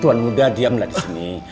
tuan uda diamlah disini